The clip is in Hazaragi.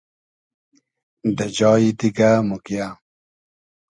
دہ جایی دیگۂ موگیۂ